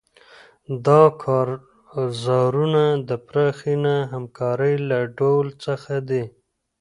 دا کارزارونه د پراخې نه همکارۍ له ډول څخه دي.